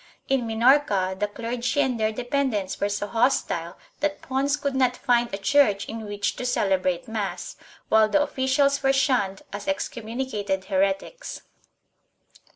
In Minorca, the clergy and their dependents were so hostile that Pons could not find a church in which to celebrate mass, while the officials were shunned as excommunicated heretics.